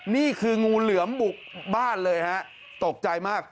นี่คืองูเหลือมบุกบ้านเลยฮะตกใจมาก